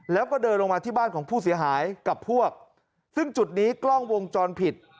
แล้วก็เดินลงมาที่บ้านของผู้เสียหายกับพวกซึ่งจุดนี้กล้องวงจรปิด